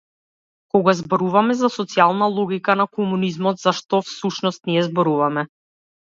Кога зборуваме за социјална логика на комунизмот, за што, всушност, ние зборуваме?